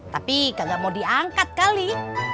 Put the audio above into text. tapi kagak mau diangkat kali